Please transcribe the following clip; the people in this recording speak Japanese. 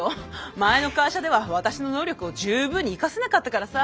前の会社では私の能力を十分に生かせなかったからさ。